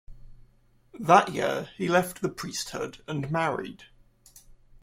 That year, he left the priesthood and married.